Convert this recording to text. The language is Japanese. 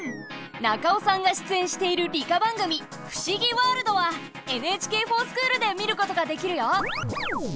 中尾さんが出演している理科番組「ふしぎワールド」は「ＮＨＫｆｏｒＳｃｈｏｏｌ」で見ることができるよ！